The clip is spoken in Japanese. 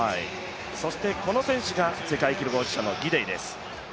そしてこの選手が世界記録保持者のギデイです。